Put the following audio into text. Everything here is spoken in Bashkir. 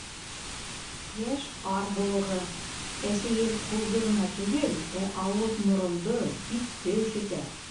Йәш ҡар һыуығы, әсе ел ҡулды ғына түгел, ә ауыҙ-морондо, битте өшөтә.